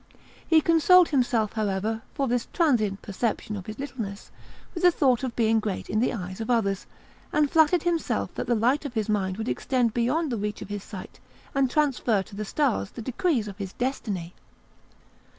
He consoled himself, however, for this transient perception of his littleness with the thought of being great in the eyes of others, and flattered himself that the light of his mind would extend beyond the reach of his sight, and transfer to the stars the decrees of his destiny.